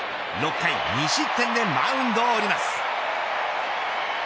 ６回２失点でマウンドを降ります。